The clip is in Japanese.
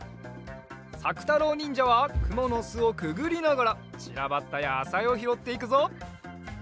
さくたろうにんじゃはくものすをくぐりながらちらばったやさいをひろっていくぞ！